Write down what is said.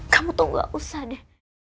kamu tau gak usah deh